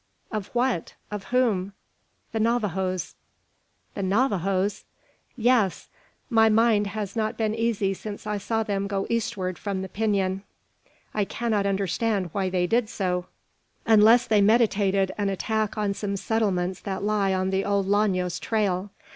"Of what? of whom?" "The Navajoes." "The Navajoes!" "Yes. My mind has not been easy since I saw them go eastward from the Pinon. I cannot understand why they did so, unless they meditated an attack on some settlements that lie on the old Llanos' trail.